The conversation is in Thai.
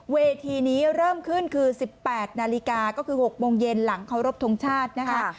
เวทีนี้เริ่มขึ้นคือ๑๘นาฬิกาก็คือ๖โมงเย็นหลังเคารพทงชาตินะคะ